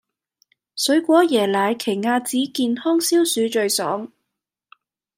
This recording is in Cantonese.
水果椰奶奇亞籽健康消暑最爽